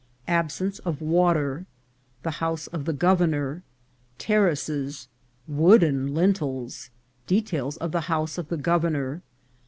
— Absence of Water. — The House of the Governor. — Terraces.— Wooden Lintels —Details of the House of the Governor.